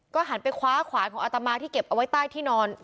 หันไปคว้าขวานของอาตมาที่เก็บเอาไว้ใต้ที่นอน